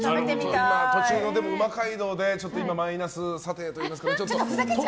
途中、うま街道でマイナス査定といいますか。